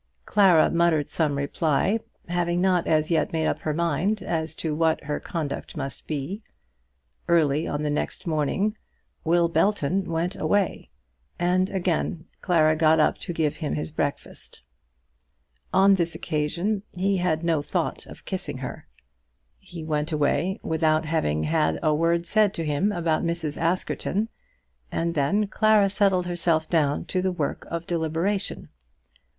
Clara muttered some reply, having not as yet made up her mind as to what her conduct must be. Early on the next morning Will Belton went away, and again Clara got up to give him his breakfast. On this occasion he had no thought of kissing her. He went away without having had a word said to him about Mrs. Askerton, and then Clara settled herself down to the work of deliberation.